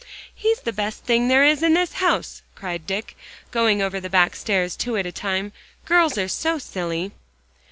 "He's the best thing there is in this house," cried Dick, going over the back stairs two at a time. "Girls are so silly."